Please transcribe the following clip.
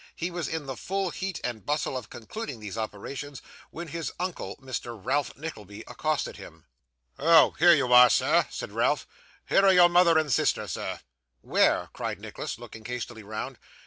He was in the full heat and bustle of concluding these operations, when his uncle, Mr. Ralph Nickleby, accosted him. 'Oh! here you are, sir!' said Ralph. 'Here are your mother and sister, sir.' 'Where?' cried Nicholas, looking hastily round.